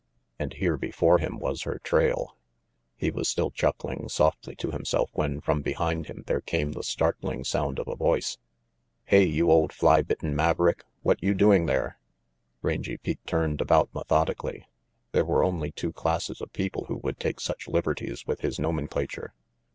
And here before him was her trail. He was still chuckling softly to himself when from behind him there came the startling sound of a voice. "Hey, you old fly bitten maverick, what you doing there?" 64 RANGY PETE Rangy Pete turned about methodically. There were only two classes of people who would take such liberties with his nomenclature.